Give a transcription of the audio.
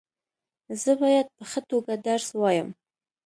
زه باید په ښه توګه درس وایم.